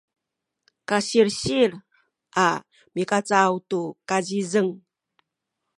kasilsil a mikacaw tu kazizeng